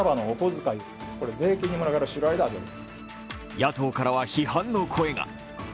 野党からは批判の声が。